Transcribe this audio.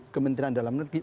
kementerian dalam negeri